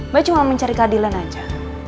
gue cuma mencari keadilan aja